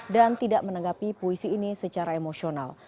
dan tidak menanggapi puisi ini secara emosional